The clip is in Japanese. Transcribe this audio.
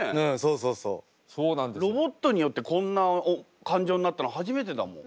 ロボットによってこんな感情になったの初めてだもん。